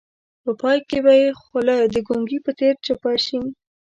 په پای کې به یې خوله د ګونګي په څېر چپه شي.